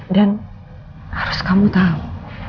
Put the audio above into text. dan harus kamu tahu